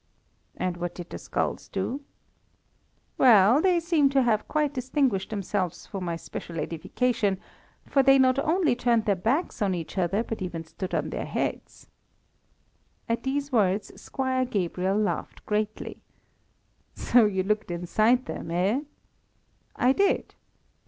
"And what did the skulls do?" "Well, they seem to have quite distinguished themselves for my special edification, for they not only turned their backs on each other, but even stood on their heads." At these words, Squire Gabriel laughed greatly. "So you looked inside them, eh?" "I did."